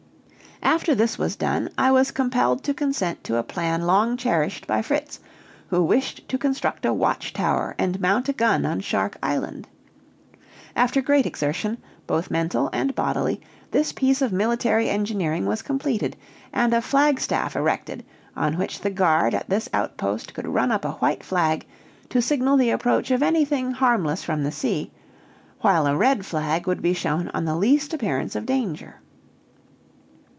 After this was done, I was compelled to consent to a plan long cherished by Fritz, who wished to construct a watch tower and mount a gun on Shark Island. After great exertion, both mental and bodily, this piece of military engineering was completed; and a flagstaff erected, on which the guard at this outpost could run up a white flag to signal the approach of anything harmless from the sea, while a red flag would be shown on the least appearance of danger.